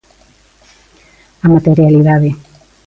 A materialidade.